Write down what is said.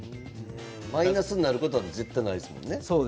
マイナスになることは絶対ないですもんね。